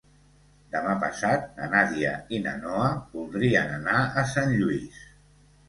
Demà passat na Nàdia i na Noa voldrien anar a Sant Lluís.